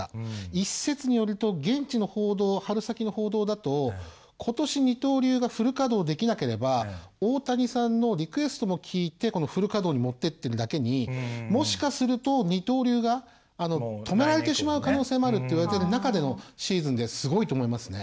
一説によると現地の報道春先の報道だとことし二刀流がフル稼働できなければ大谷さんのリクエストも聞いてこのフル稼働に持ってってるだけにもしかすると二刀流が止められてしまう可能性もあるって言われている中でのシーズンですごいと思いますね。